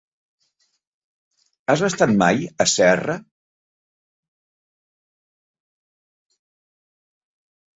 Has estat mai a Serra?